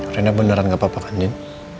rena beneran gak apa apa kan din